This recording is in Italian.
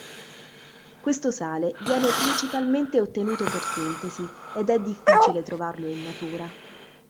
Questo sale viene principalmente ottenuto per sintesi ed è difficile trovarlo in natura.